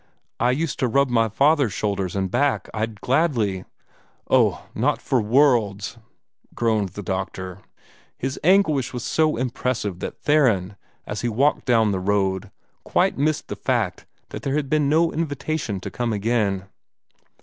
"I used to rub my father's shoulders and back; I'd gladly " "Oh, not for worlds!" groaned the doctor. His anguish was so impressive that Theron, as he walked down the road, quite missed the fact that there had been no invitation to come again.